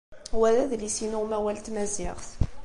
Wa d adlis-inu n umawal n tmaziɣt.